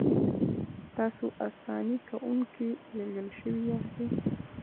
تاسې اساني کوونکي لېږل شوي یاستئ.